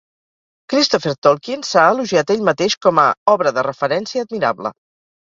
Christopher Tolkien s'ha elogiat ell mateix, com a "obra de referència admirable".